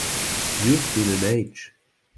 You have been an age.